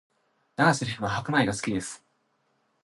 永瀬廉は白米が好きです